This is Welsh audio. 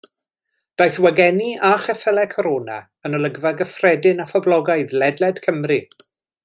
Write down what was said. Daeth wagenni a cheffylau Corona yn olygfa gyffredin a phoblogaidd ledled Cymru.